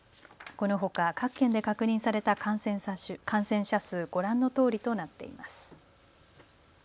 このほか各県で確認された感染者数、ご覧のとおりとなっています。